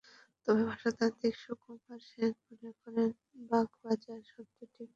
তবে ভাষাতাত্ত্বিক সুকুমার সেন মনে করেন বাগবাজার শব্দটি 'বাঁক বাজার' শব্দের অপভ্রংশ।